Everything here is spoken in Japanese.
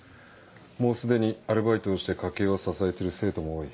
もうすでにアルバイトをして家計を支えてる生徒も多い。